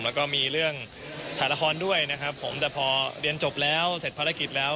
แล้วก็มีเรื่องถ่ายละครด้วยนะครับผมแต่พอเรียนจบแล้วเสร็จภารกิจแล้ว